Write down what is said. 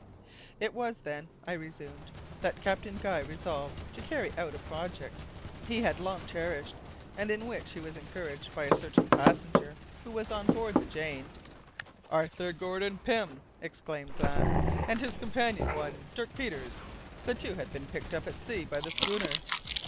"It was then," I resumed, "that Captain Guy resolved to carry out a project he had long cherished, and in which he was encouraged by a certain passenger who was on board the Jane " "Arthur Gordon Pym," exclaimed Glass, "and his companion, one Dirk Peters; the two had been picked up at sea by the schooner."